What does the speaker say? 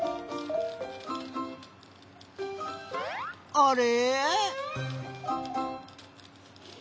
あれ？